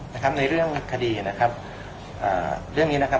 นะครับในเรื่องคดีนะครับอ่าเรื่องนี้นะครับ